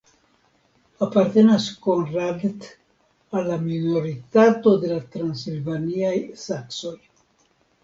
Apartenas Konradt al la minoritato de la transilvaniaj saksoj.